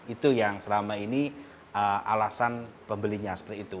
itu yang selama ini alasan pembelinya